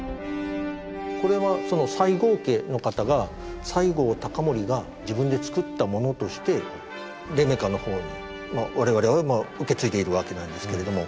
これはその西郷家の方が西郷隆盛が自分で作ったものとして黎明館のほうに我々は受け継いでいるわけなんですけれども。